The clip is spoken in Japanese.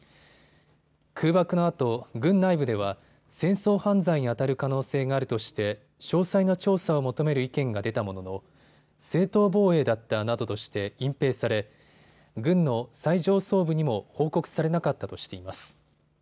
空爆のあと軍内部では戦争犯罪にあたる可能性があるとして詳細な調査を求める意見が出たものの正当防衛だったなどとして隠蔽され軍の最上層部にも報告されなかったとしています。